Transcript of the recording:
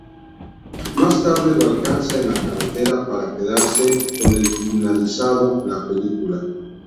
Más tarde lo alcanza en la carretera para quedarse con el finalizando la película.